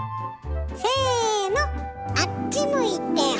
せのあっち向いてホイ！